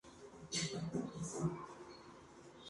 Los asientos se asignan utilizando la cuota Hare.